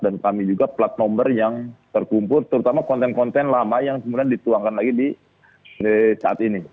dan kami juga plat nomor yang terkumpul terutama konten konten lama yang dituangkan lagi di saat ini